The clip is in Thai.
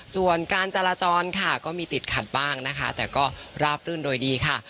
ส่วนการจราจรค่ะก็มีติดขัดบ้างนะคะแต่ก็ราบรื่นโดยดีค่ะ